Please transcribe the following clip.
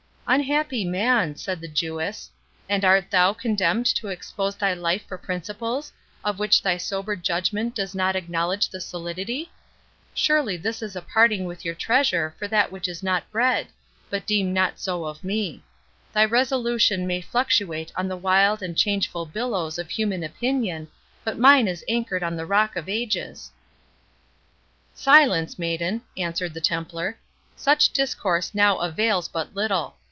"Unhappy man," said the Jewess; "and art thou condemned to expose thy life for principles, of which thy sober judgment does not acknowledge the solidity? Surely this is a parting with your treasure for that which is not bread—but deem not so of me. Thy resolution may fluctuate on the wild and changeful billows of human opinion, but mine is anchored on the Rock of Ages." "Silence, maiden," answered the Templar; "such discourse now avails but little.